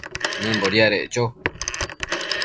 nëmbo diadeccho